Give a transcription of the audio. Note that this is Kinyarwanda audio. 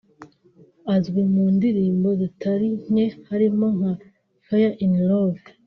azwi mu ndirimbo zitari nke harimo nka Fall in Love